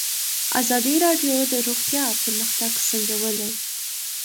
ازادي راډیو د روغتیا پرمختګ سنجولی.